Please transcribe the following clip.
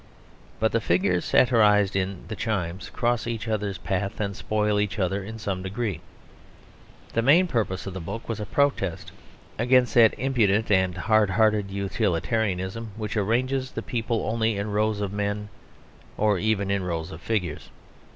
But the figures satirised in The Chimes cross each other's path and spoil each other in some degree. The main purpose of the book was a protest against that impudent and hard hearted utilitarianism which arranges the people only in rows of men or even in rows of figures.